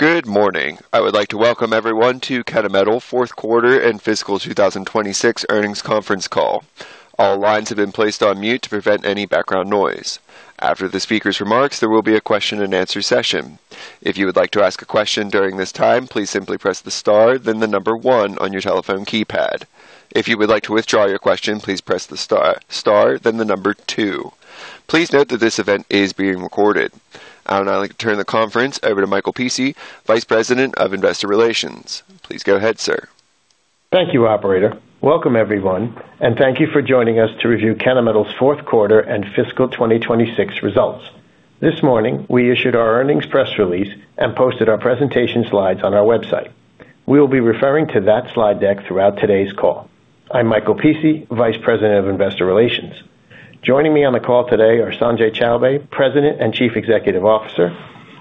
Good morning. I would like to welcome everyone to Kennametal fourth quarter and fiscal 2026 earnings conference call. All lines have been placed on mute to prevent any background noise. After the speaker's remarks, there will be a question and answer session. If you would like to ask a question during this time, please simply press the star, then the number one on your telephone keypad. If you would like to withdraw your question, please press the star then the number two. Please note that this event is being recorded. I would now like to turn the conference over to Michael Pici, Vice President of Investor Relations. Please go ahead, sir. Thank you, operator. Welcome everyone, and thank you for joining us to review Kennametal's fourth quarter and fiscal 2026 results. This morning, we issued our earnings press release and posted our presentation slides on our website. We will be referring to that slide deck throughout today's call. I'm Michael Pici, Vice President of Investor Relations. Joining me on the call today are Sanjay Chowbey, President and Chief Executive Officer,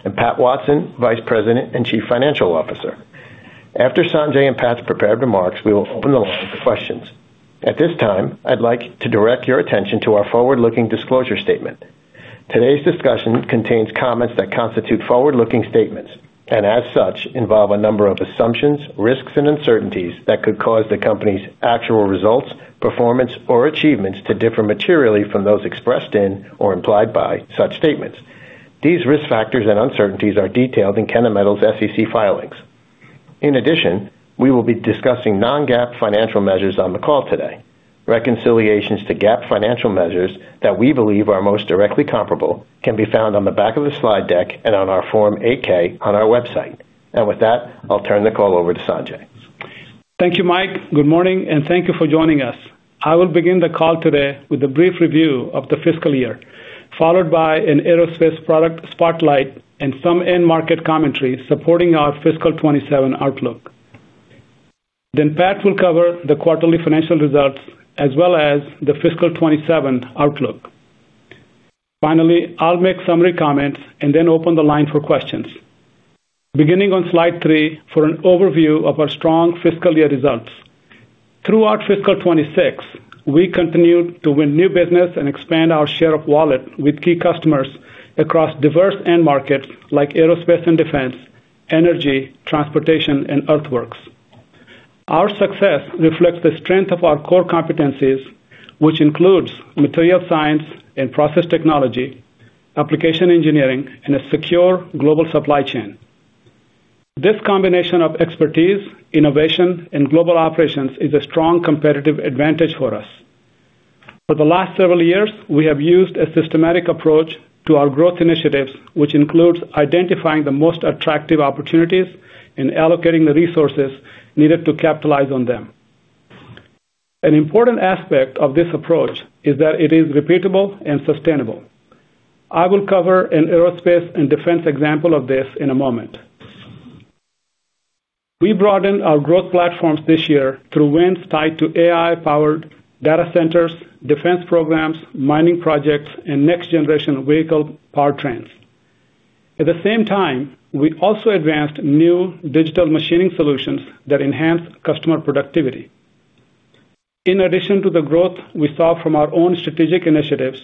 and Pat Watson, Vice President and Chief Financial Officer. After Sanjay and Pat prepared remarks, we will open the line for questions. At this time, I'd like to direct your attention to our forward-looking disclosure statement. Today's discussion contains comments that constitute forward-looking statements and as such, involve a number of assumptions, risks, and uncertainties that could cause the company's actual results, performance, or achievements to differ materially from those expressed in or implied by such statements. These risk factors and uncertainties are detailed in Kennametal's SEC filings. In addition, we will be discussing non-GAAP financial measures on the call today. Reconciliations to GAAP financial measures that we believe are most directly comparable can be found on the back of the slide deck and on our Form 8-K on our website. With that, I'll turn the call over to Sanjay. Thank you, Mike. Good morning, and thank you for joining us. I will begin the call today with a brief review of the fiscal year, followed by an aerospace product spotlight and some end market commentary supporting our fiscal 2027 outlook. Pat will cover the quarterly financial results as well as the fiscal 2027 outlook. Finally, I'll make summary comments and then open the line for questions. Beginning on slide three for an overview of our strong fiscal year results. Throughout fiscal 2026, we continued to win new business and expand our share of wallet with key customers across diverse end markets like aerospace and defense, energy, transportation, and earthworks. Our success reflects the strength of our core competencies, which includes material science and process technology, application engineering, and a secure global supply chain. This combination of expertise, innovation, and global operations is a strong competitive advantage for us. For the last several years, we have used a systematic approach to our growth initiatives, which includes identifying the most attractive opportunities and allocating the resources needed to capitalize on them. An important aspect of this approach is that it is repeatable and sustainable. I will cover an aerospace and defense example of this in a moment. We broadened our growth platforms this year through wins tied to AI-powered data centers, defense programs, mining projects, and next-generation vehicle powertrains. At the same time, we also advanced new digital machining solutions that enhance customer productivity. In addition to the growth we saw from our own strategic initiatives,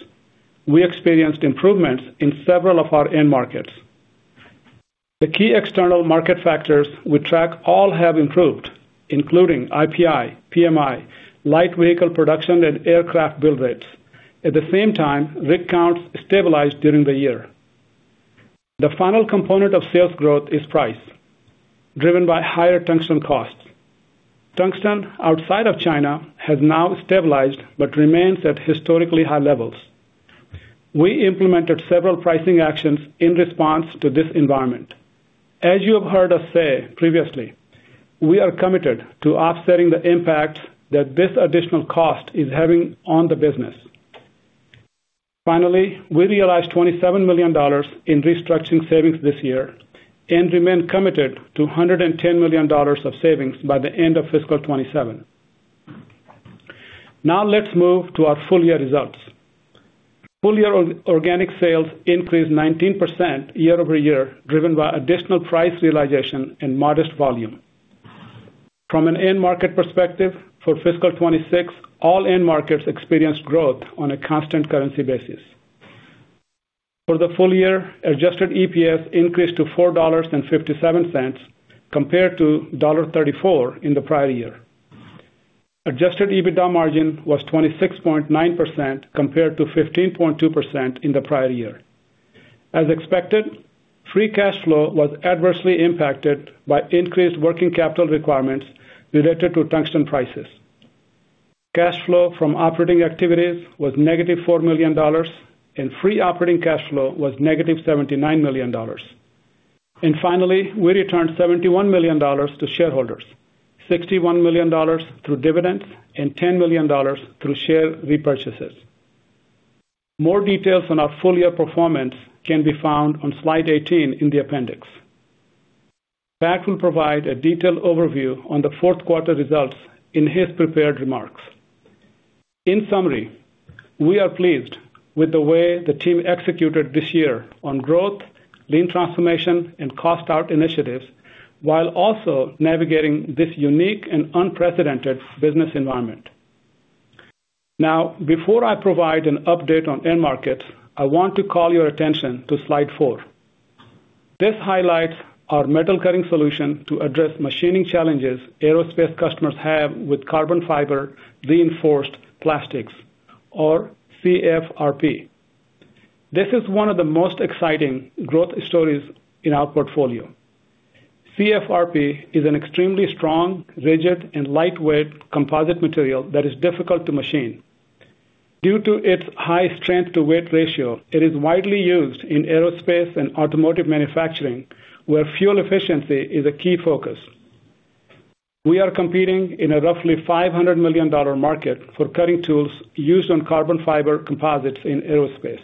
we experienced improvements in several of our end markets. The key external market factors we track all have improved, including IPI, PMI, light vehicle production, and aircraft build rates. At the same time, rig counts stabilized during the year. The final component of sales growth is price, driven by higher tungsten costs. Tungsten outside of China has now stabilized but remains at historically high levels. We implemented several pricing actions in response to this environment. As you have heard us say previously, we are committed to offsetting the impact that this additional cost is having on the business. Finally, we realized $27 million in restructuring savings this year and remain committed to $110 million of savings by the end of fiscal 2027. Let's move to our full year results. Full year organic sales increased 19% year-over-year, driven by additional price realization and modest volume. From an end market perspective for fiscal 2026, all end markets experienced growth on a constant currency basis. For the full year, adjusted EPS increased to $4.57 compared to $1.34 in the prior year. Adjusted EBITDA margin was 26.9% compared to 15.2% in the prior year. As expected, free cash flow was adversely impacted by increased working capital requirements related to tungsten prices. Cash flow from operating activities was negative $4 million, and free operating cash flow was negative $79 million. Finally, we returned $71 million to shareholders, $61 million through dividends and $10 million through share repurchases. More details on our full year performance can be found on slide 18 in the appendix. Pat Watson will provide a detailed overview on the fourth quarter results in his prepared remarks. In summary, we are pleased with the way the team executed this year on growth, lean transformation, and cost out initiatives while also navigating this unique and unprecedented business environment. Before I provide an update on end market, I want to call your attention to slide four. This highlights our metal cutting solution to address machining challenges aerospace customers have with carbon fiber reinforced plastics, or CFRP. This is one of the most exciting growth stories in our portfolio. CFRP is an extremely strong, rigid, and lightweight composite material that is difficult to machine. Due to its high strength to weight ratio, it is widely used in aerospace and automotive manufacturing, where fuel efficiency is a key focus. We are competing in a roughly $500 million market for cutting tools used on carbon fiber composites in aerospace.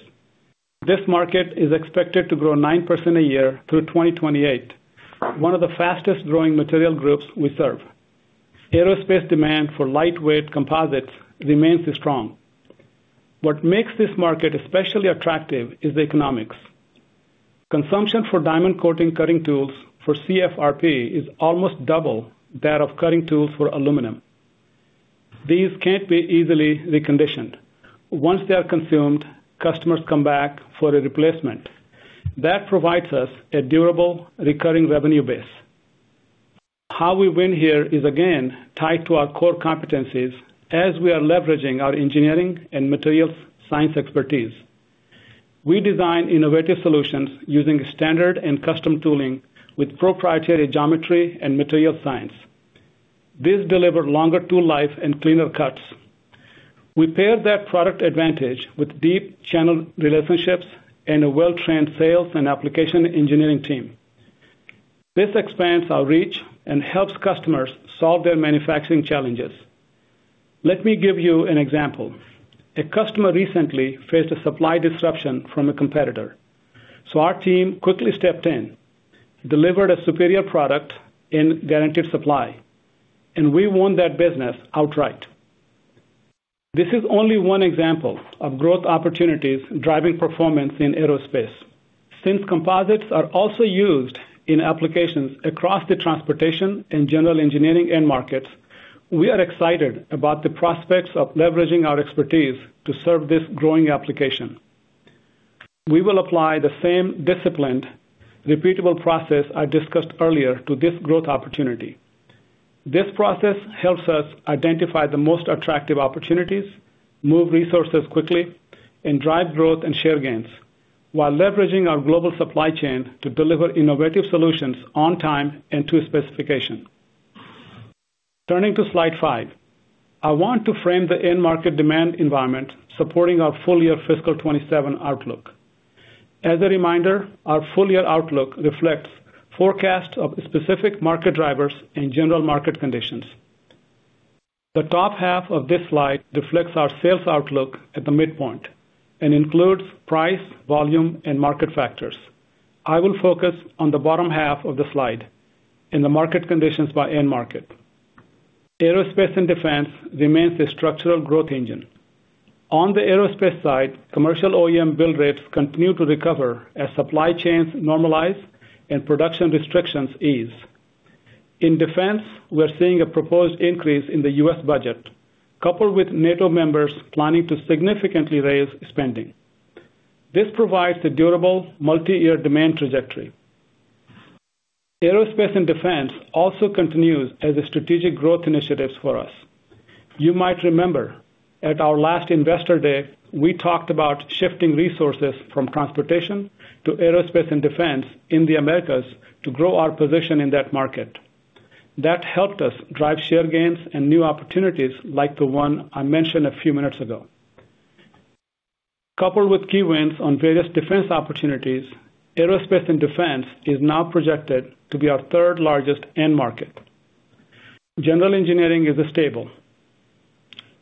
This market is expected to grow 9% a year through 2028, one of the fastest growing material groups we serve. Aerospace demand for lightweight composites remains strong. What makes this market especially attractive is the economics. Consumption for diamond coating cutting tools for CFRP is almost double that of cutting tools for aluminum. These can't be easily reconditioned. Once they are consumed, customers come back for a replacement. That provides us a durable recurring revenue base. How we win here is again tied to our core competencies as we are leveraging our engineering and materials science expertise. We design innovative solutions using standard and custom tooling with proprietary geometry and material science. These deliver longer tool life and cleaner cuts. We pair that product advantage with deep channel relationships and a well-trained sales and application engineering team. This expands our reach and helps customers solve their manufacturing challenges. Let me give you an example. A customer recently faced a supply disruption from a competitor. Our team quickly stepped in, delivered a superior product and guaranteed supply, and we won that business outright. This is only one example of growth opportunities driving performance in aerospace. Since composites are also used in applications across the transportation and general engineering end markets, we are excited about the prospects of leveraging our expertise to serve this growing application. We will apply the same disciplined, repeatable process I discussed earlier to this growth opportunity. This process helps us identify the most attractive opportunities, move resources quickly, and drive growth and share gains while leveraging our global supply chain to deliver innovative solutions on time and to specification. Turning to slide five. I want to frame the end market demand environment supporting our full year fiscal 2027 outlook. As a reminder, our full year outlook reflects forecast of specific market drivers and general market conditions. The top half of this slide reflects our sales outlook at the midpoint and includes price, volume, and market factors. I will focus on the bottom half of the slide and the market conditions by end market. Aerospace and defense remains a structural growth engine. On the aerospace side, commercial OEM build rates continue to recover as supply chains normalize and production restrictions ease. In defense, we're seeing a proposed increase in the U.S. budget, coupled with NATO members planning to significantly raise spending. This provides a durable multi-year demand trajectory. Aerospace and defense also continues as a strategic growth initiatives for us. You might remember, at our last investor day, we talked about shifting resources from transportation to aerospace and defense in the Americas to grow our position in that market. That helped us drive share gains and new opportunities like the one I mentioned a few minutes ago. Coupled with key wins on various defense opportunities, aerospace and defense is now projected to be our third largest end market. General engineering is stable.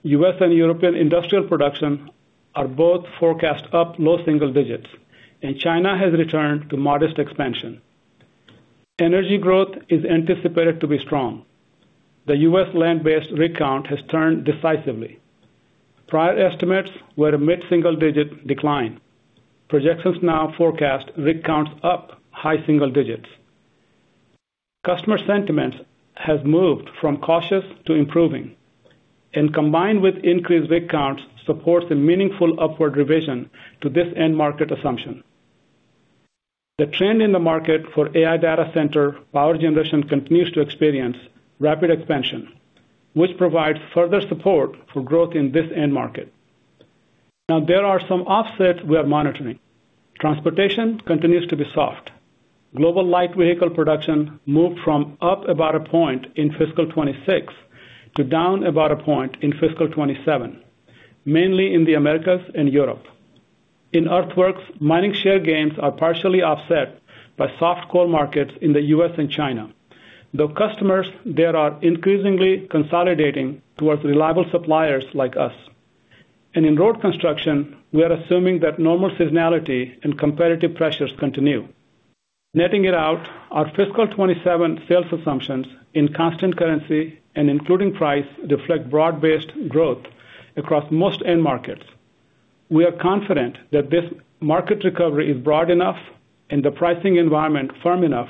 U.S. and European industrial production are both forecast up low single digits, and China has returned to modest expansion. Energy growth is anticipated to be strong. The U.S. land-based rig count has turned decisively. Prior estimates were a mid-single digit decline. Projections now forecast rig counts up high single digits. Customer sentiment has moved from cautious to improving, and combined with increased rig counts, supports a meaningful upward revision to this end market assumption. The trend in the market for AI data center power generation continues to experience rapid expansion, which provides further support for growth in this end market. There are some offsets we are monitoring. Transportation continues to be soft. Global light vehicle production moved from up about a point in fiscal 2026 to down about a point in fiscal 2027, mainly in the Americas and Europe. In earthworks, mining share gains are partially offset by soft coal markets in the U.S. and China, though customers there are increasingly consolidating towards reliable suppliers like us. In road construction, we are assuming that normal seasonality and competitive pressures continue. Netting it out, our fiscal 2027 sales assumptions in constant currency and including price reflect broad-based growth across most end markets. We are confident that this market recovery is broad enough and the pricing environment firm enough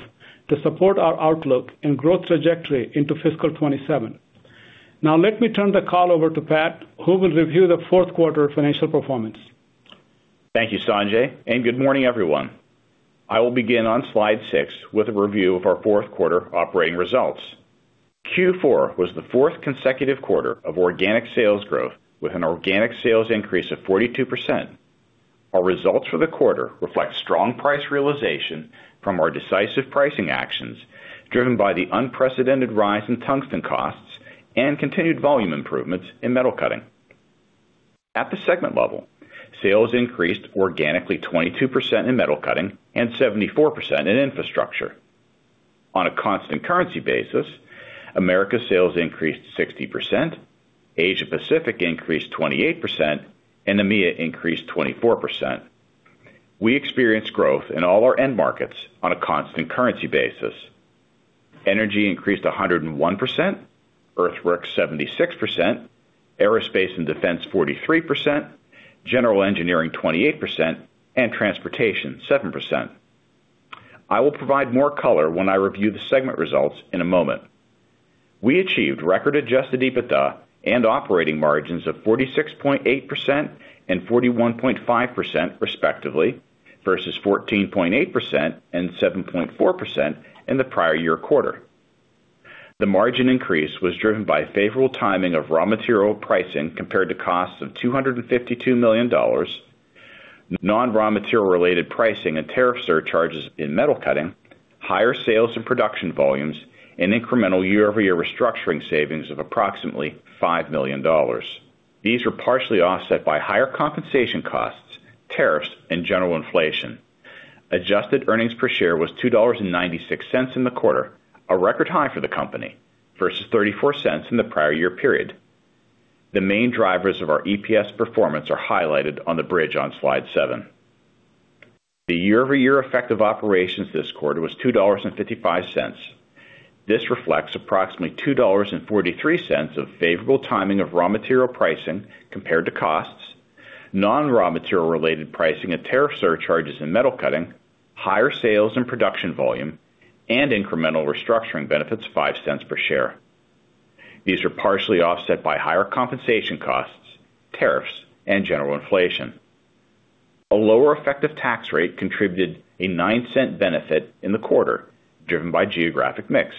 to support our outlook and growth trajectory into fiscal 2027. Let me turn the call over to Pat, who will review the fourth quarter financial performance. Thank you, Sanjay, and good morning, everyone. I will begin on slide six with a review of our fourth quarter operating results. Q4 was the fourth consecutive quarter of organic sales growth, with an organic sales increase of 42%. Our results for the quarter reflect strong price realization from our decisive pricing actions, driven by the unprecedented rise in tungsten costs and continued volume improvements in metal cutting. At the segment level, sales increased organically 22% in metal cutting and 74% in infrastructure. On a constant currency basis, Americas sales increased 60%, Asia Pacific increased 28%, and EMEA increased 24%. We experienced growth in all our end markets on a constant currency basis. Energy increased 101%, earthworks 76%, aerospace and defense 43%, general engineering 28%, and transportation 7%. I will provide more color when I review the segment results in a moment. We achieved record-adjusted EBITDA and operating margins of 46.8% and 41.5%, respectively, versus 14.8% and 7.4% in the prior year quarter. The margin increase was driven by favorable timing of raw material pricing compared to costs of $252 million, non-raw material related pricing and tariff surcharges in metal cutting, higher sales and production volumes, and incremental year-over-year restructuring savings of approximately $5 million. These were partially offset by higher compensation costs, tariffs, and general inflation. Adjusted earnings per share was $2.96 in the quarter, a record high for the company, versus $0.34 in the prior year period. The main drivers of our EPS performance are highlighted on the bridge on Slide 7. The year-over-year effective operations this quarter was $2.55. This reflects approximately $2.43 of favorable timing of raw material pricing compared to costs, non-raw material related pricing and tariff surcharges in metal cutting, higher sales and production volume, and incremental restructuring benefits $0.05 per share. These are partially offset by higher compensation costs, tariffs, and general inflation. A lower effective tax rate contributed a $0.09 benefit in the quarter, driven by geographic mix.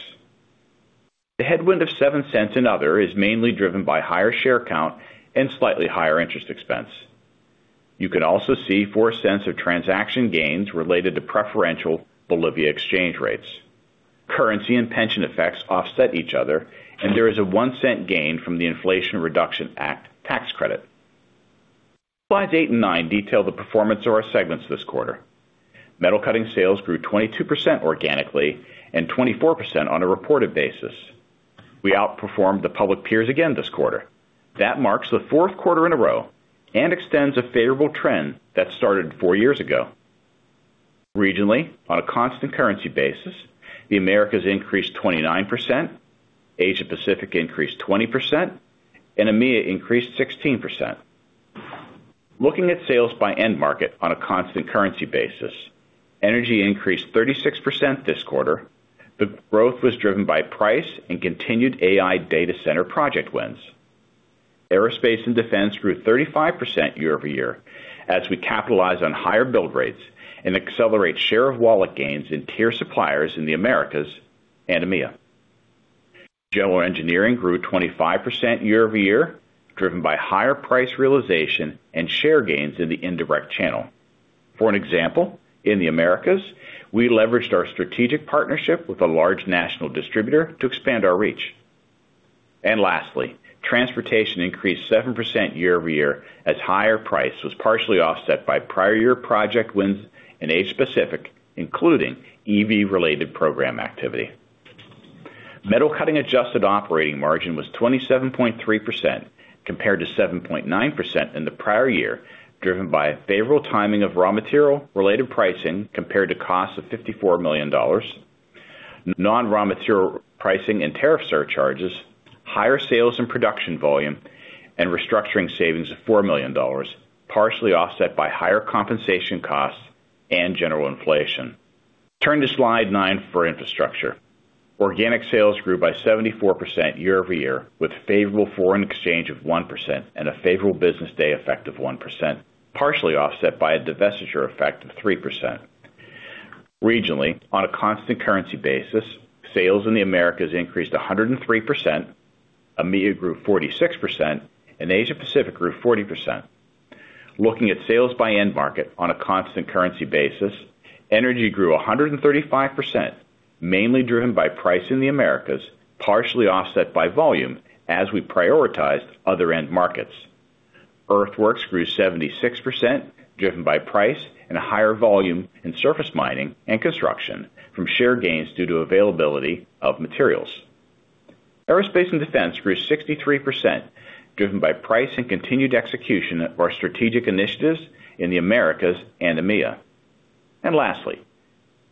The headwind of $0.07 in other is mainly driven by higher share count and slightly higher interest expense. You can also see $0.04 of transaction gains related to preferential Bolivia exchange rates. Currency and pension effects offset each other, and there is a $0.01 gain from the Inflation Reduction Act tax credit. Slides eight and nine detail the performance of our segments this quarter. Metal cutting sales grew 22% organically and 24% on a reported basis. We outperformed the public peers again this quarter. That marks the fourth quarter in a row and extends a favorable trend that started four years ago. Regionally, on a constant currency basis, the Americas increased 29%, Asia Pacific increased 20%, and EMEA increased 16%. Looking at sales by end market on a constant currency basis, energy increased 36% this quarter. The growth was driven by price and continued AI data center project wins. Aerospace and defense grew 35% year-over-year as we capitalize on higher bill rates and accelerate share of wallet gains in tier suppliers in the Americas and EMEA. General engineering grew 25% year-over-year, driven by higher price realization and share gains in the indirect channel. For an example, in the Americas, we leveraged our strategic partnership with a large national distributor to expand our reach. Lastly, transportation increased 7% year-over-year as higher price was partially offset by prior year project wins in Asia Pacific, including EV-related program activity. Metal cutting adjusted operating margin was 27.3% compared to 7.9% in the prior year, driven by favorable timing of raw material-related pricing compared to costs of $54 million, non-raw material pricing and tariff surcharges, higher sales and production volume, and restructuring savings of $4 million, partially offset by higher compensation costs and general inflation. Turn to slide nine for infrastructure. Organic sales grew by 74% year-over-year, with favorable foreign exchange of 1% and a favorable business day effect of 1%, partially offset by a divestiture effect of 3%. Regionally, on a constant currency basis, sales in the Americas increased 103%, EMEA grew 46%, and Asia Pacific grew 40%. Looking at sales by end market on a constant currency basis, energy grew 135%, mainly driven by price in the Americas, partially offset by volume as we prioritized other end markets. Earthworks grew 76%, driven by price and higher volume in surface mining and construction from share gains due to availability of materials. Aerospace and defense grew 63%, driven by price and continued execution of our strategic initiatives in the Americas and EMEA. Lastly,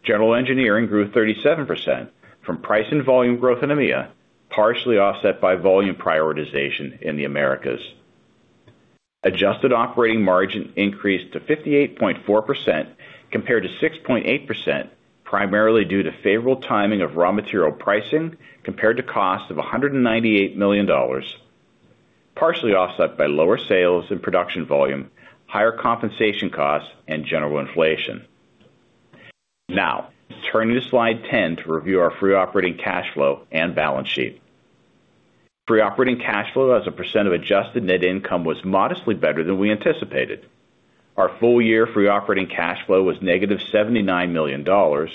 general engineering grew 37% from price and volume growth in EMEA, partially offset by volume prioritization in the Americas. Adjusted operating margin increased to 58.4% compared to 6.8%, primarily due to favorable timing of raw material pricing compared to cost of $198 million, partially offset by lower sales and production volume, higher compensation costs and general inflation. Now, turning to slide 10 to review our free operating cash flow and balance sheet. Free operating cash flow as a percent of adjusted net income was modestly better than we anticipated. Our full year free operating cash flow was negative $79 million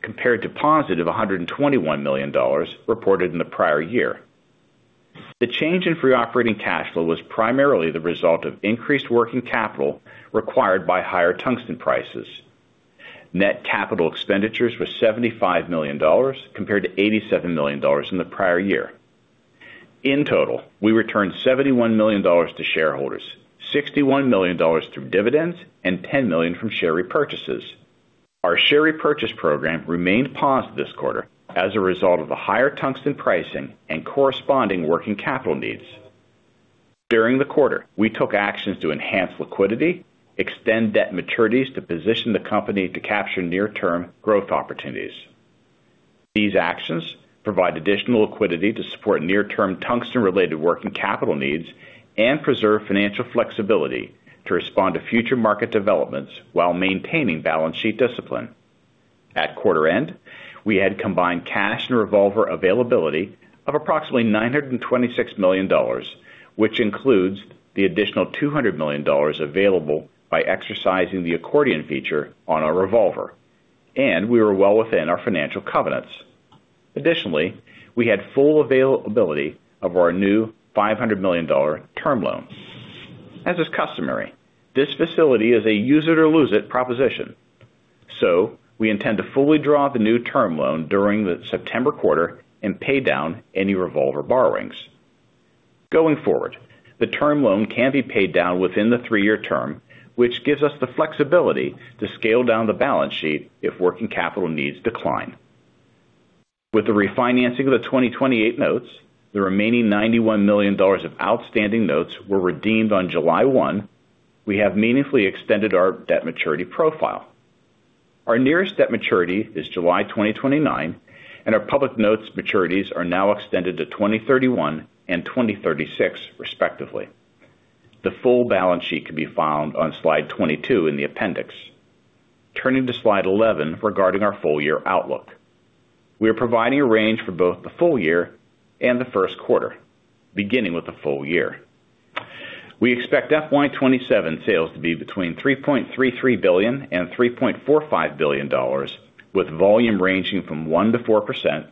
compared to positive $121 million reported in the prior year. The change in free operating cash flow was primarily the result of increased working capital required by higher tungsten prices. Net capital expenditures was $75 million compared to $87 million in the prior year. In total, we returned $71 million to shareholders, $61 million through dividends, and $10 million from share repurchases. Our share repurchase program remained paused this quarter as a result of the higher tungsten pricing and corresponding working capital needs. During the quarter, we took actions to enhance liquidity, extend debt maturities to position the company to capture near-term growth opportunities. These actions provide additional liquidity to support near-term tungsten-related working capital needs and preserve financial flexibility to respond to future market developments while maintaining balance sheet discipline. At quarter end, we had combined cash and revolver availability of approximately $926 million, which includes the additional $200 million available by exercising the accordion feature on our revolver. We were well within our financial covenants. Additionally, we had full availability of our new $500 million term loan. As is customary, this facility is a use-it-or-lose-it proposition. So we intend to fully draw the new term loan during the September quarter and pay down any revolver borrowings. Going forward, the term loan can be paid down within the three-year term, which gives us the flexibility to scale down the balance sheet if working capital needs decline. With the refinancing of the 2028 notes, the remaining $91 million of outstanding notes were redeemed on July 1. We have meaningfully extended our debt maturity profile. Our nearest debt maturity is July 2029, and our public notes maturities are now extended to 2031 and 2036, respectively. The full balance sheet can be found on slide 22 in the appendix. Turning to slide 11 regarding our full year outlook. We are providing a range for both the full year and the first quarter, beginning with the full year. We expect FY 2027 sales to be between $3.33 billion and $3.45 billion, with volume ranging from 1%-4%,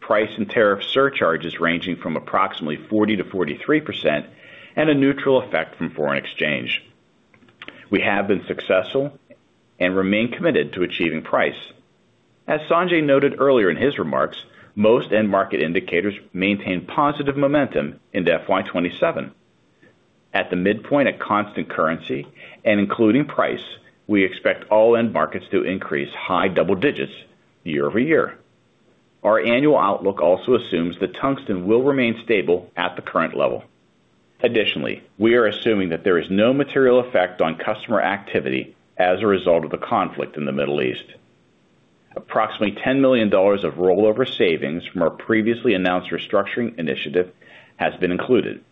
price and tariff surcharges ranging from approximately 40%-43%, and a neutral effect from foreign exchange. We have been successful and remain committed to achieving price. As Sanjay noted earlier in his remarks, most end market indicators maintain positive momentum into FY 2027. At the midpoint of constant currency and including price, we expect all end markets to increase high double digits year-over-year. Our annual outlook also assumes that tungsten will remain stable at the current level. Additionally, we are assuming that there is no material effect on customer activity as a result of the conflict in the Middle East. Approximately $10 million of rollover savings from our previously announced restructuring initiative has been included.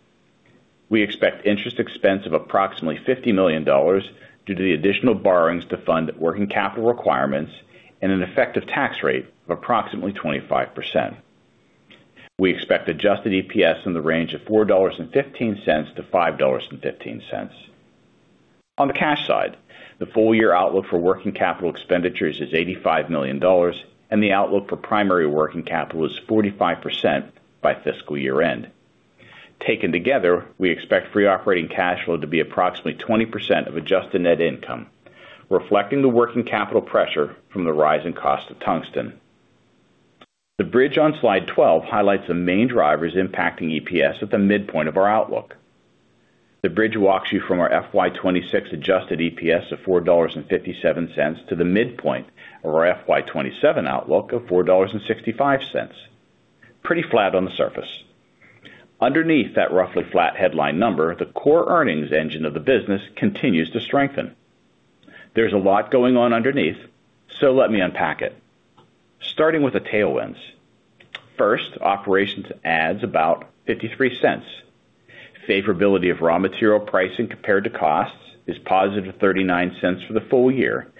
We expect interest expense of approximately $50 million due to the additional borrowings to fund working capital requirements and an effective tax rate of approximately 25%. We expect adjusted EPS in the range of $4.15-$5.15. On the cash side, the full year outlook for working capital expenditures is $85 million, and the outlook for primary working capital is 45% by fiscal year end. Taken together, we expect free operating cash flow to be approximately 20% of adjusted net income, reflecting the working capital pressure from the rise in cost of tungsten. The bridge on slide 12 highlights the main drivers impacting EPS at the midpoint of our outlook. The bridge walks you from our FY 2026 adjusted EPS of $4.57 to the midpoint of our FY 2027 outlook of $4.65. Pretty flat on the surface. Underneath that roughly flat headline number, the core earnings engine of the business continues to strengthen. There's a lot going on underneath, so let me unpack it. Starting with the tailwinds. First, operations adds about $0.53. Favorability of raw material pricing compared to costs is positive $0.39 for the full year,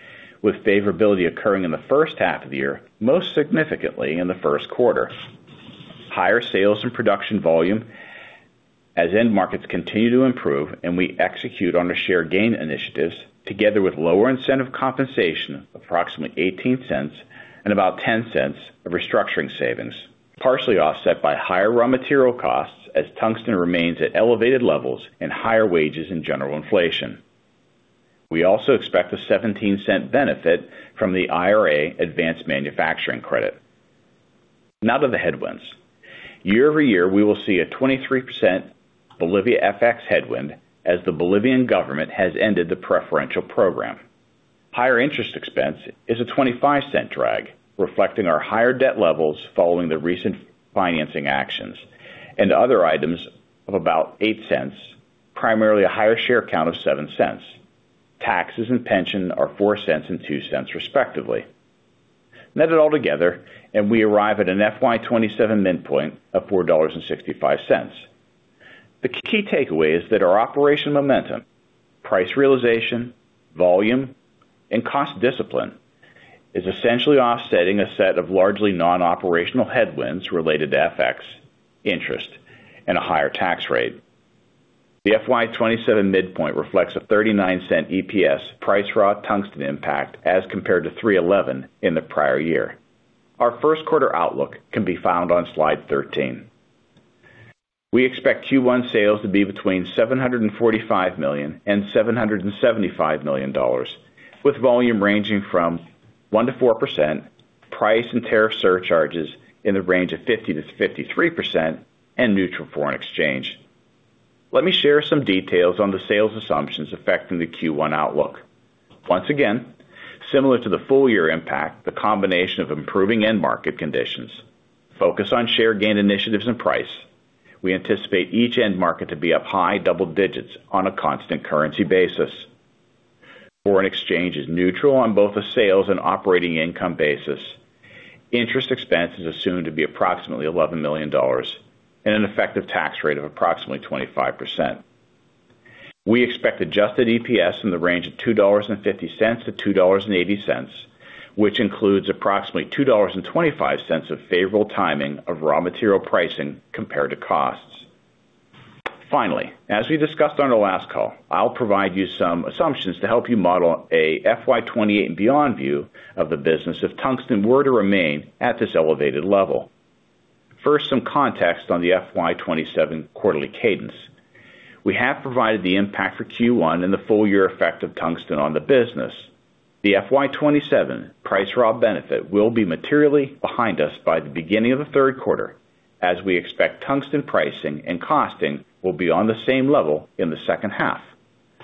with favorability occurring in the first half of the year, most significantly in the first quarter. Higher sales and production volume as end markets continue to improve and we execute on the share gain initiatives, together with lower incentive compensation, approximately $0.18, and about $0.10 of restructuring savings, partially offset by higher raw material costs as tungsten remains at elevated levels and higher wages in general inflation. We also expect a $0.17 benefit from the IRA Advanced Manufacturing Credit. To the headwinds. Year-over-year, we will see a 23% Bolivia FX headwind as the Bolivian government has ended the preferential program. Higher interest expense is a $0.25 drag, reflecting our higher debt levels following the recent financing actions, and other items of about $0.08, primarily a higher share count of $0.07. Taxes and pension are $0.04 and $0.02 respectively. Net it all together, and we arrive at an FY 2027 midpoint of $4.65. The key takeaway is that our operational momentum, price realization, volume, and cost discipline is essentially offsetting a set of largely non-operational headwinds related to FX interest and a higher tax rate. The FY 2027 midpoint reflects a $0.39 EPS price raw tungsten impact, as compared to $3.11 in the prior year. Our first quarter outlook can be found on slide 13. We expect Q1 sales to be between $745 million-$775 million, with volume ranging from 1%-4%, price and tariff surcharges in the range of 50%-53%, and neutral foreign exchange. Let me share some details on the sales assumptions affecting the Q1 outlook. Similar to the full-year impact, the combination of improving end market conditions, focus on share gain initiatives and price, we anticipate each end market to be up high double digits on a constant currency basis. Foreign exchange is neutral on both a sales and operating income basis. Interest expense is assumed to be approximately $11 million and an effective tax rate of approximately 25%. We expect adjusted EPS in the range of $2.50-$2.80, which includes approximately $2.25 of favorable timing of raw material pricing compared to costs. As we discussed on our last call, I'll provide you some assumptions to help you model a FY 2028 and beyond view of the business if tungsten were to remain at this elevated level. Some context on the FY 2027 quarterly cadence. We have provided the impact for Q1 and the full-year effect of tungsten on the business. The FY 2027 price raw benefit will be materially behind us by the beginning of the third quarter, as we expect tungsten pricing and costing will be on the same level in the second half.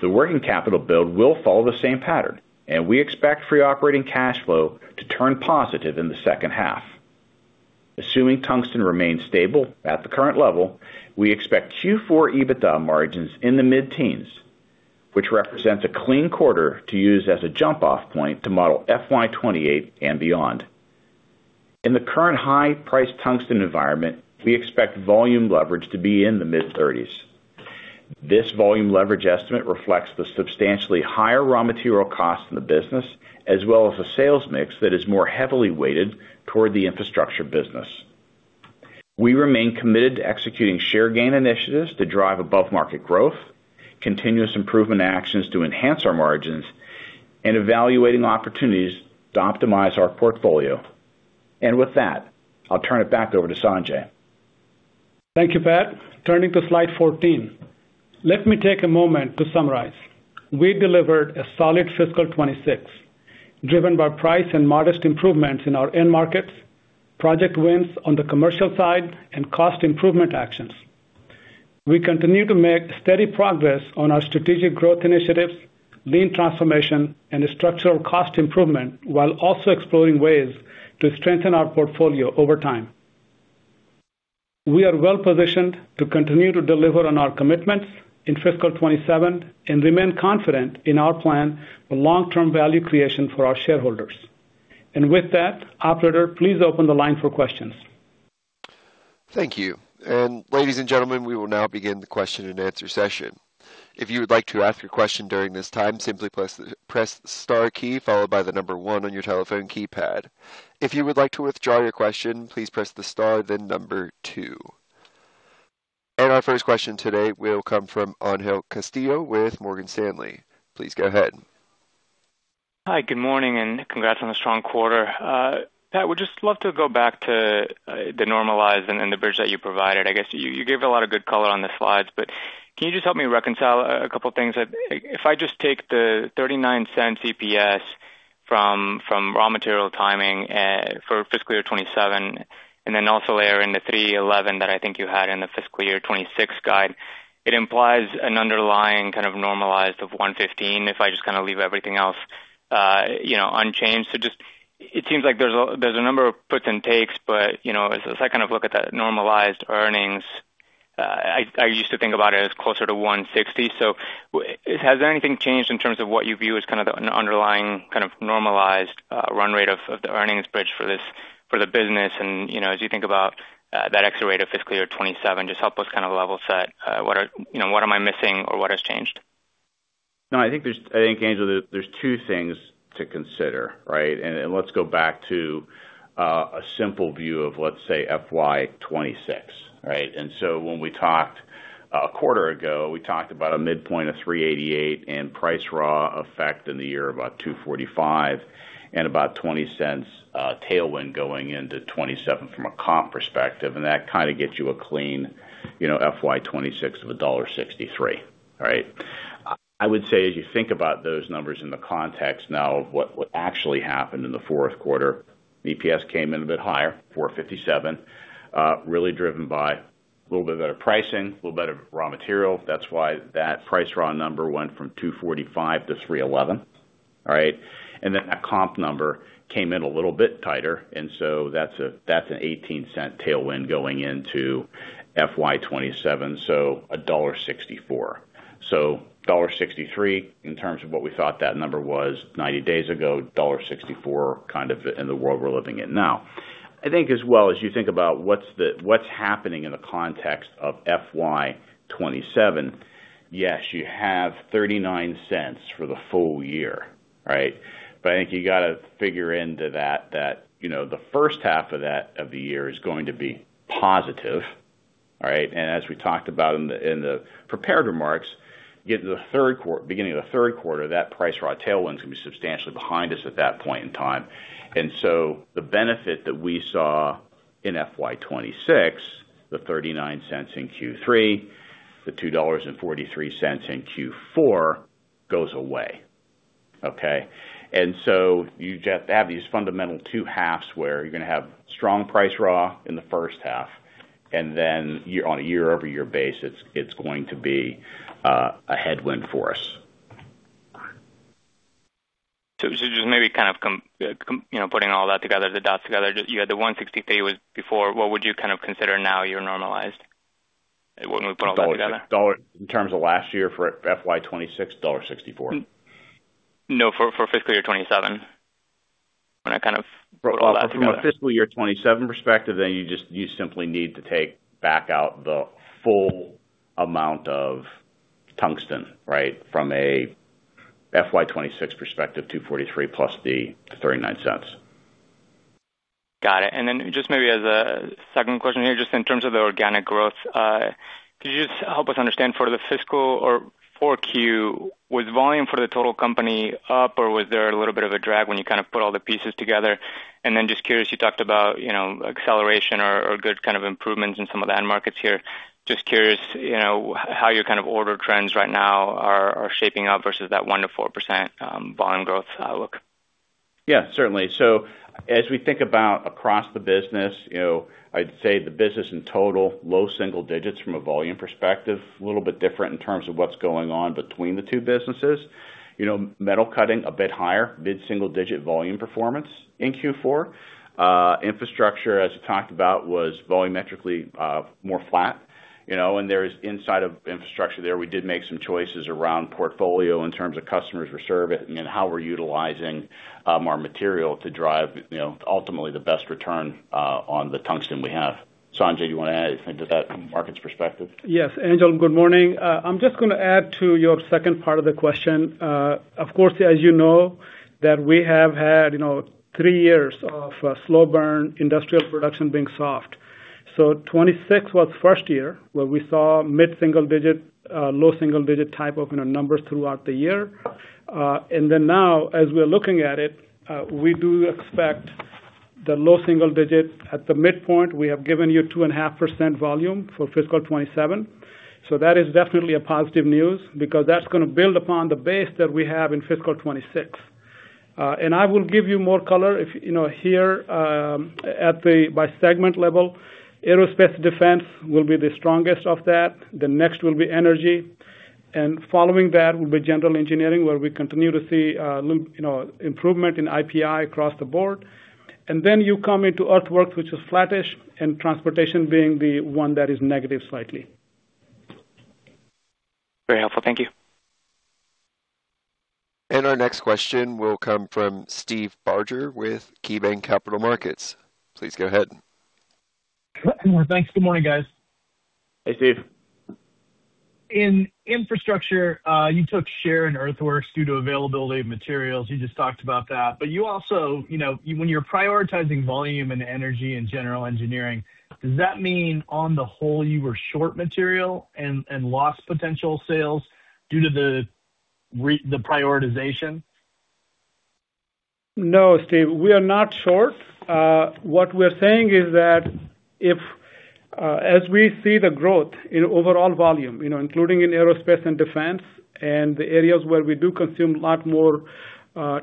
The working capital build will follow the same pattern, and we expect free operating cash flow to turn positive in the second half. Assuming tungsten remains stable at the current level, we expect Q4 EBITDA margins in the mid-teens, which represents a clean quarter to use as a jump-off point to model FY 2027 and beyond. In the current high price tungsten environment, we expect volume leverage to be in the mid-thirties. This volume leverage estimate reflects the substantially higher raw material cost in the business, as well as a sales mix that is more heavily weighted toward the infrastructure business. We remain committed to executing share gain initiatives to drive above-market growth, continuous improvement actions to enhance our margins, and evaluating opportunities to optimize our portfolio. With that, I'll turn it back over to Sanjay. Thank you, Pat. Turning to slide 14. Let me take a moment to summarize. We delivered a solid fiscal 2026, driven by price and modest improvements in our end markets, project wins on the commercial side, and cost improvement actions. We continue to make steady progress on our strategic growth initiatives, lean transformation, and structural cost improvement, while also exploring ways to strengthen our portfolio over time. We are well-positioned to continue to deliver on our commitments in fiscal 2027 and remain confident in our plan for long-term value creation for our shareholders. With that, operator, please open the line for questions. Thank you. Ladies and gentlemen, we will now begin the question and answer session. If you would like to ask a question during this time, simply press the star key followed by the number one on your telephone keypad. If you would like to withdraw your question, please press the star, then number two. Our first question today will come from Angel Castillo with Morgan Stanley. Please go ahead. Hi, good morning, congrats on the strong quarter. Pat, would just love to go back to the normalized and the bridge that you provided. I guess you gave a lot of good color on the slides, but can you just help me reconcile a couple of things? If I just take the $0.39 CPS from raw material timing for fiscal year 2027, then also layer in the $3.11 that I think you had in the fiscal year 2026 guide, it implies an underlying kind of normalized of $1.15 if I just leave everything else unchanged. It seems like there's a number of puts and takes, but as I look at the normalized earnings, I used to think about it as closer to $1.60. Has anything changed in terms of what you view as the underlying kind of normalized run rate of the earnings bridge for the business? As you think about that exit rate of fiscal year 2027, just help us kind of level set what am I missing or what has changed? No, I think, Angel, there are two things to consider, right? Let's go back to a simple view of let's say, FY 2026. When we talked a quarter ago, we talked about a midpoint of $3.88 and price raw effect in the year about $2.45 and about $0.20 tailwind going into 2027 from a comp perspective. That kind of gets you a clean FY 2026 of $1.63, right? I would say, as you think about those numbers in the context now of what actually happened in the fourth quarter, EPS came in a bit higher, $4.57, really driven by a little bit of better pricing, a little better raw material. That's why that price raw number went from $2.45 to $3.11. All right? That comp number came in a little bit tighter, so that's an $0.18 tailwind going into FY 2027, so $1.64. $1.63 in terms of what we thought that number was 90 days ago, $1.64 kind of in the world we're living in now. I think as well as you think about what's happening in the context of FY 2027, yes, you have $0.39 for the full year, right? I think you got to figure into that the first half of the year is going to be positive. All right? As we talked about in the prepared remarks, beginning of the third quarter, that price raw tailwind's going to be substantially behind us at that point in time. The benefit that we saw in FY 2026, the $0.39 in Q3, the $2.43 in Q4 goes away. Okay? You have these fundamental two halves where you're going to have strong price raw in the first half, then on a year-over-year base, it's going to be a headwind for us. Just maybe kind of putting all that together, the dots together, you had the $1.63 was before. What would you kind of consider now you're normalized when we put all that together? In terms of last year for FY 2026, $1.64. No, for fiscal year 2027. When I kind of put all that together. From a fiscal year 2027 perspective, you simply need to take back out the full amount of tungsten, right? From a FY 2026 perspective, $2.43+ the $0.39. Got it. Just maybe as a second question here, just in terms of the organic growth, could you just help us understand for the fiscal or 4Q, was volume for the total company up, or was there a little bit of a drag when you kind of put all the pieces together? Just curious, you talked about acceleration or good kind of improvements in some of the end markets here. Just curious how your kind of order trends right now are shaping up versus that 1%-4% volume growth outlook. Certainly. As we think about across the business, I'd say the business in total, low single digits from a volume perspective, a little bit different in terms of what's going on between the two businesses. Metal cutting a bit higher, mid-single digit volume performance in Q4. Infrastructure, as you talked about, was volumetrically more flat. There is inside of infrastructure there, we did make some choices around portfolio in terms of customers we're serving and how we're utilizing our material to drive ultimately the best return on the tungsten we have. Sanjay, do you want to add anything to that from a markets perspective? Angel, good morning. I'm just going to add to your second part of the question. Of course, as you know, that we have had three years of slow burn industrial production being soft. 2026 was first year where we saw mid-single digit, low single digit type of numbers throughout the year. Now as we are looking at it, we do expect the low single digit at the midpoint. We have given you 2.5% volume for fiscal 2027. That is definitely a positive news because that's going to build upon the base that we have in fiscal 2026. I will give you more color here by segment level. Aerospace defense will be the strongest of that. The next will be energy, and following that will be general engineering, where we continue to see improvement in IPI across the board. You come into earthworks, which is flattish, and transportation being the one that is negative slightly. Very helpful. Thank you. Our next question will come from Steve Barger with KeyBanc Capital Markets. Please go ahead. Thanks. Good morning, guys. Hey, Steve. In infrastructure, you took share in earthworks due to availability of materials. You just talked about that. You also, when you're prioritizing volume and energy in general engineering, does that mean on the whole you were short material and lost potential sales due to the prioritization? No, Steve, we are not short. What we're saying is that if as we see the growth in overall volume, including in aerospace and defense and the areas where we do consume a lot more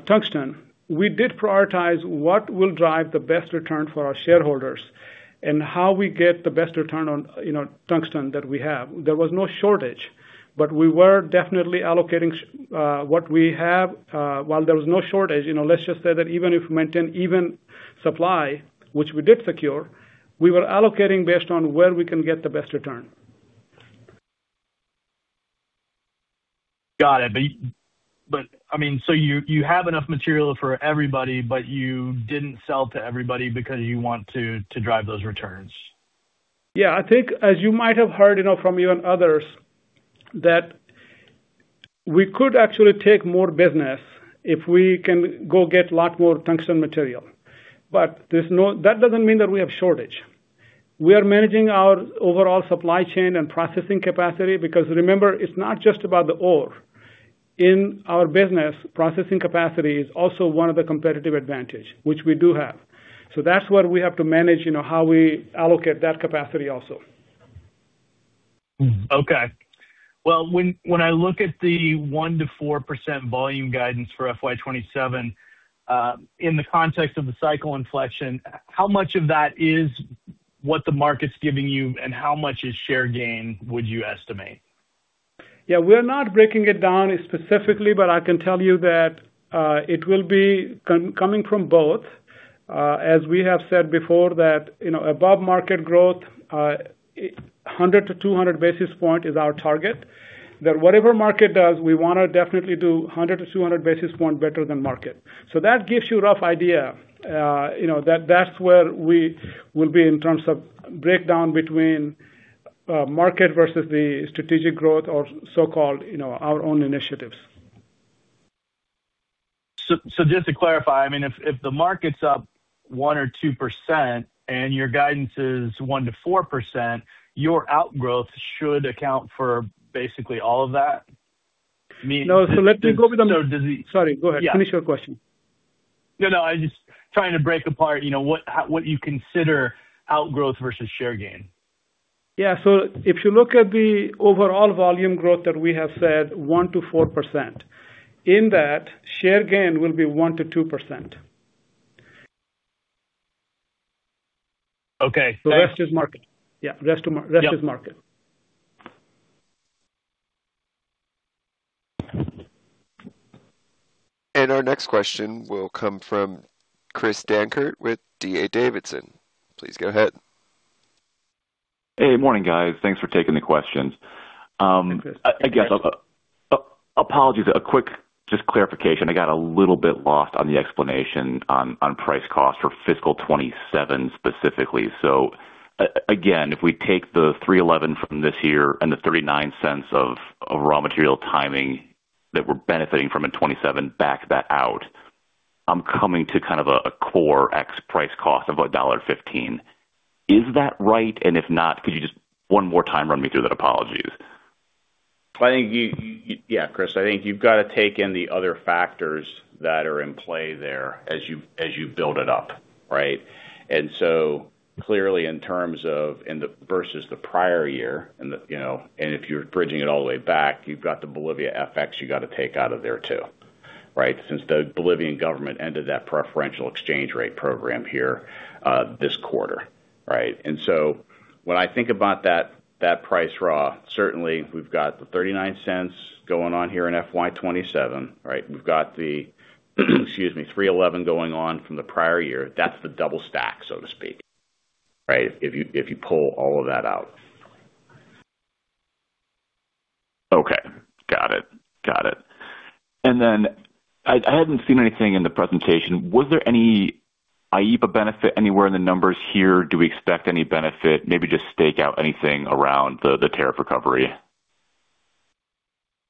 tungsten, we did prioritize what will drive the best return for our shareholders and how we get the best return on tungsten that we have. There was no shortage, but we were definitely allocating what we have. While there was no shortage, let's just say that even if we maintain even supply, which we did secure, we were allocating based on where we can get the best return. Got it. You have enough material for everybody, but you didn't sell to everybody because you want to drive those returns. Yeah. I think as you might have heard from you and others, that we could actually take more business if we can go get lot more tungsten material. That doesn't mean that we have shortage. We are managing our overall supply chain and processing capacity because remember, it's not just about the ore. In our business, processing capacity is also one of the competitive advantage, which we do have. That's what we have to manage, how we allocate that capacity also. Okay. Well, when I look at the 1%-4% volume guidance for FY 2027, in the context of the cycle inflection, how much of that is what the market's giving you, and how much is share gain would you estimate? Yeah. We're not breaking it down specifically, but I can tell you that it will be coming from both. As we have said before that above market growth 100 to 200 basis point is our target. Whatever market does, we want to definitely do 100 to 200 basis point better than market. That gives you a rough idea that's where we will be in terms of breakdown between market versus the strategic growth or so-called our own initiatives. Just to clarify, if the market's up 1% or 2% and your guidance is 1%-4%, your outgrowth should account for basically all of that? No. Let me go with the, Sorry, go ahead. Yeah. Finish your question. No, I'm just trying to break apart what you consider outgrowth versus share gain. If you look at the overall volume growth that we have said, 1%-4%. In that, share gain will be 1%-2%. Okay. The rest is market. Yeah. Rest is market. Our next question will come from Chris Dankert with D.A. Davidson. Please go ahead. Hey, morning, guys. Thanks for taking the questions.[] Again, apologies. A quick just clarification. I got a little bit lost on the explanation on price cost for fiscal 2027 specifically. Again, if we take the $3.11 from this year and the $0.39 of raw material timing that we're benefiting from in 2027, back that out, I'm coming to kind of a core X price cost of $1.15. Is that right? If not, could you just one more time run me through that? Apologies. I think, yeah Chris, I think you've got to take in the other factors that are in play there as you build it up. Right? Clearly in terms of versus the prior year and if you're bridging it all the way back, you've got the Bolivia FX you got to take out of there, too. Right? Since the Bolivian government ended that preferential exchange rate program here this quarter. Right? When I think about that price raw, certainly we've got the $0.39 going on here in FY 2027. Right? We've got the excuse me, $3.11 going on from the prior year. That's the double stack, so to speak. Right? If you pull all of that out. Okay. Got it. I hadn't seen anything in the presentation. Was there any IEEPA benefit anywhere in the numbers here? Do we expect any benefit? Maybe just stake out anything around the tariff recovery.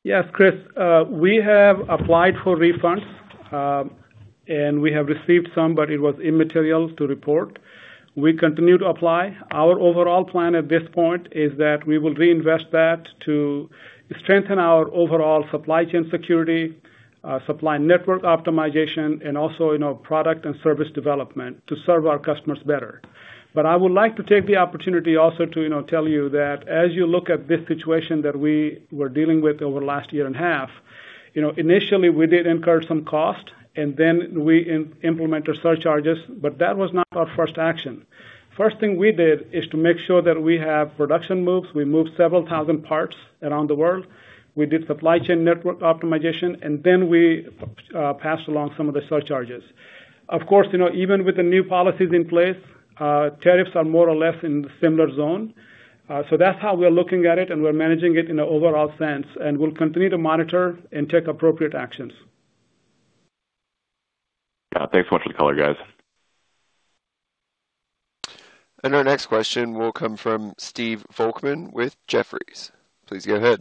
Yes, Chris. We have applied for refunds, and we have received some but it was immaterial to report. We continue to apply. Our overall plan at this point is that we will reinvest that to strengthen our overall supply chain security, supply network optimization, and also product and service development to serve our customers better. I would like to take the opportunity also to tell you that as you look at this situation that we were dealing with over the last year and a half. Initially we did incur some cost, we implemented surcharges, that was not our first action. First thing we did is to make sure that we have production moves. We moved several thousand parts around the world. We did supply chain network optimization, we passed along some of the surcharges. Of course, even with the new policies in place, tariffs are more or less in the similar zone. That's how we are looking at it, and we're managing it in an overall sense. We'll continue to monitor and take appropriate actions. Yeah. Thanks much for the color, guys. Our next question will come from Stephen Volkmann with Jefferies. Please go ahead.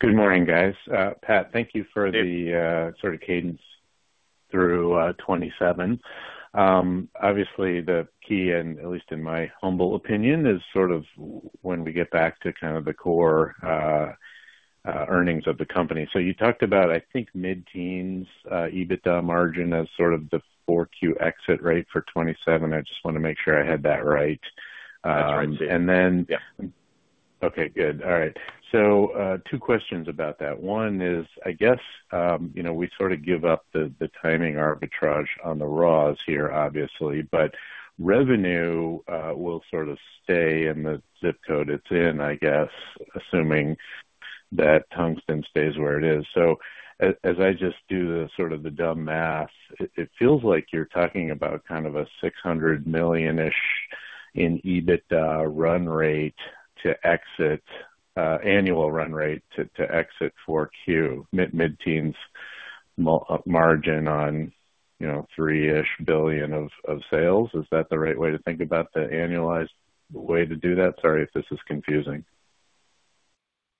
Good morning, guys. Pat, thank you for the sort of cadence through 2027. Obviously the key, and at least in my humble opinion is sort of when we get back to kind of the core earnings of the company. You talked about, I think, mid-teens EBITDA margin as sort of the 4Q exit rate for 2027. I just want to make sure I had that right. That's right, Steve. Yeah. Okay, good. All right. Two questions about that. One is, I guess, we sort of give up the timing arbitrage on the raws here, obviously. Revenue will sort of stay in the ZIP code it's in, I guess, assuming that tungsten stays where it is. As I just do the sort of the dumb math, it feels like you're talking about kind of a [$600 million in EBITDA] run rate to exit, annual run rate to exit 4Q. Mid-teens margin on $3 billion-ish of sales. Is that the right way to think about the annualized way to do that? Sorry if this is confusing.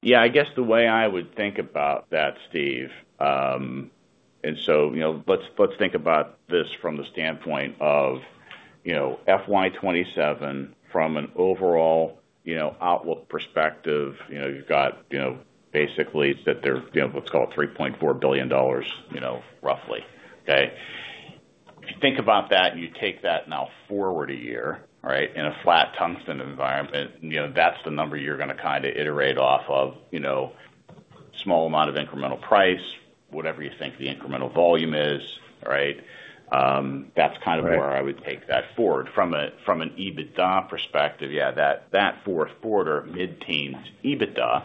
Yeah. I guess the way I would think about that, Steve, let's think about this from the standpoint of FY 2027 from an overall outlook perspective, you've got basically sit there what's called $3.4 billion roughly. Okay? If you think about that, you take that now forward a year, right. In a flat, tungsten environment that's the number you're going to iterate off of small amount of incremental price, whatever you think the incremental volume is. Right? That's where I would take that forward. From an EBITDA perspective, yeah, that fourth quarter mid-teens EBITDA,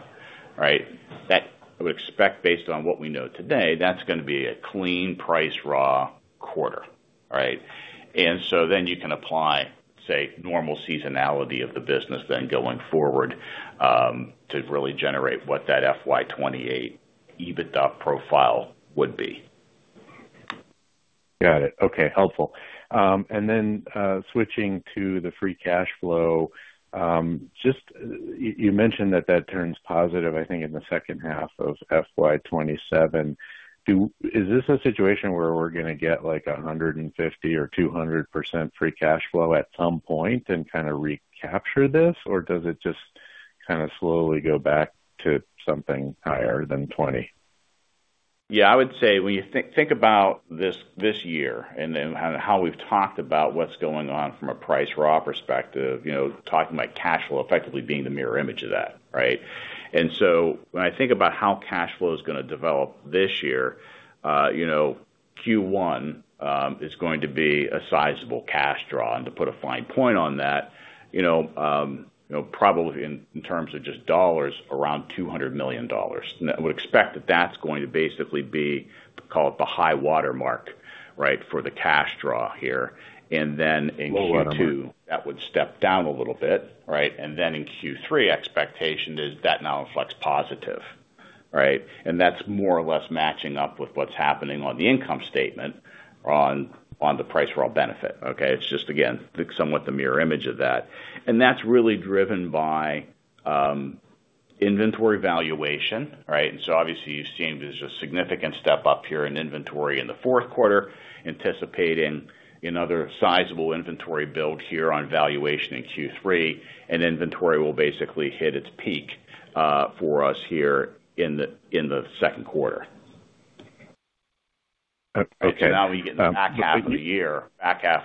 right? That I would expect based on what we know today, that's going to be a clean price raw quarter. Right? You can apply, say, normal seasonality of the business then going forward, to really generate what that FY 2028 EBITDA profile would be. Got it. Okay. Helpful. Switching to the free cash flow. You mentioned that turns positive, I think in the second half of FY 2027. Is this a situation where we're going to get 150% or 200% free cash flow at some point and kind of recapture this? Or does it just slowly go back to something higher than 20? Yeah, I would say when you think about this year and then how we've talked about what's going on from a price raw perspective, talking about cash flow effectively being the mirror image of that, right? When I think about how cash flow is going to develop this year, Q1 is going to be a sizable cash draw. To put a fine point on that, probably in terms of just dollars, around $200 million. I would expect that that's going to basically be, call it the high water mark, right, for the cash draw here. In Q2, that would step down a little bit, right? In Q3, expectation is that now reflects positive, right? That's more or less matching up with what's happening on the income statement on the price raw benefit. Okay? It's just again, somewhat the mirror image of that. That's really driven by inventory valuation, right? Obviously you've seen there's a significant step up here in inventory in the fourth quarter, anticipating other sizable inventory build here on valuation in Q3, inventory will basically hit its peak for us here in the second quarter. Okay. Now we get in the back half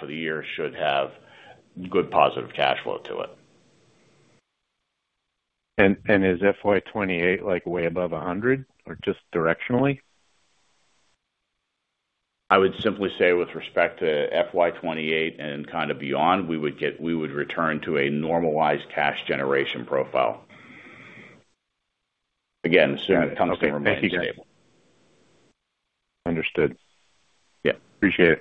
of the year should have good positive cash flow to it. Is FY 2028 way above 100% or just directionally? I would simply say with respect to FY 2028 and kind of beyond, we would return to a normalized cash generation profile. Again, assuming tungsten remains stable. Understood. Appreciate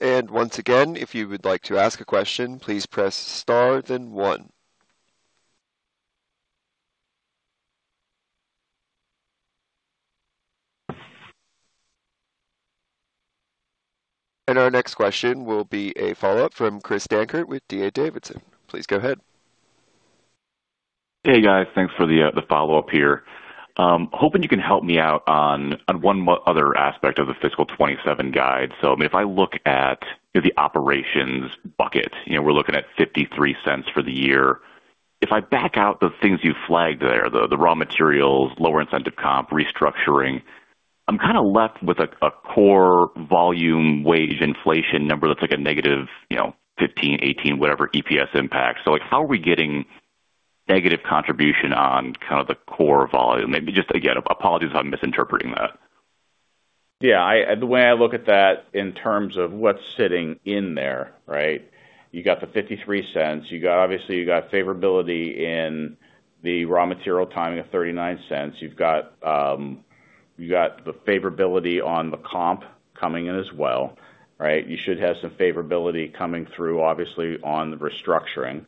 it. Once again, if you would like to ask a question, please press star then one. Our next question will be a follow-up from Chris Dankert with D.A. Davidson. Please go ahead. Hey, guys. Thanks for the follow-up here. Hoping you can help me out on one other aspect of the fiscal 2027 guide. If I look at the operations bucket, we're looking at $0.53 for the year. If I back out the things you flagged there, the raw materials, lower incentive comp, restructuring, I'm kind of left with a core volume wage inflation number that's like a negative 15, 18, whatever EPS impact. How are we getting negative contribution on kind of the core volume? Maybe just again, apologies if I'm misinterpreting that. Yeah. The way I look at that in terms of what's sitting in there, right? You got the $0.53, obviously you got favorability in the raw material timing of $0.39. You've got the favorability on the comp coming in as well. Right? You should have some favorability coming through obviously on the restructuring.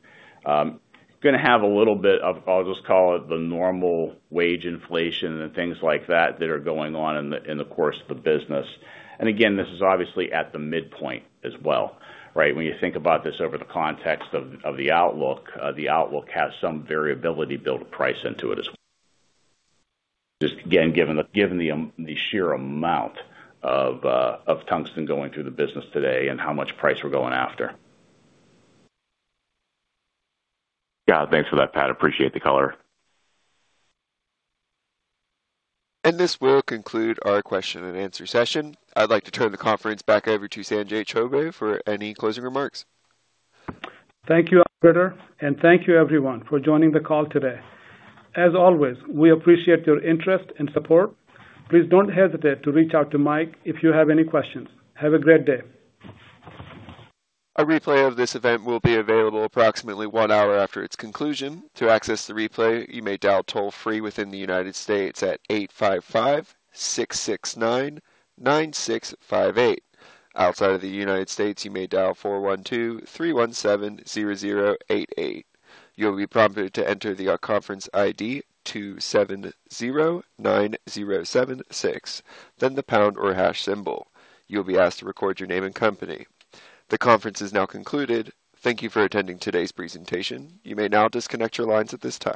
Going to have a little bit of, I'll just call it the normal wage inflation and things like that are going on in the course of the business. This is obviously at the midpoint as well, right? When you think about this over the context of the outlook, the outlook has some variability build to price into it as well. Just again, given the sheer amount of tungsten going through the business today and how much price we're going after. Yeah. Thanks for that Pat. Appreciate the color. This will conclude our question and answer session. I'd like to turn the conference back over to Sanjay Chowbey for any closing remarks. Thank you, operator. Thank you everyone for joining the call today. As always, we appreciate your interest and support. Please don't hesitate to reach out to Mike if you have any questions. Have a great day. A replay of this event will be available approximately one hour after its conclusion. To access the replay, you may dial toll-free within the United States at 855-669-9658. Outside of the United States, you may dial 412-317-0088. You'll be prompted to enter the conference ID 2709076, then the pound or hash symbol. You'll be asked to record your name and company. The conference is now concluded. Thank you for attending today's presentation. You may now disconnect your lines at this time